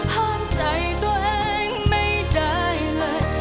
ห้ามใจตัวเองไม่ได้เลย